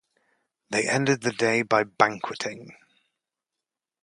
They ended the day by banqueting.